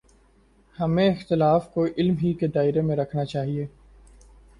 ہمیں اختلاف کو علم ہی کے دائرے میں رکھنا چاہیے۔